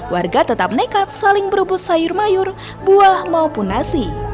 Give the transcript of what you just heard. warga tetap nekat saling berebut sayur mayur buah maupun nasi